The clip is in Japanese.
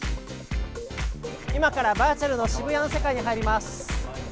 今からバーチャルの渋谷の世界に入ります。